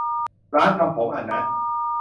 ร้านทำผมอ่ะนะ